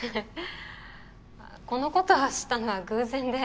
このことを知ったのは偶然で。